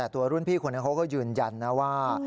ตัวรุ่นพี่คนนั้นเขาก็ยืนยันนะว่า